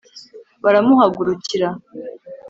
baramuhagurukira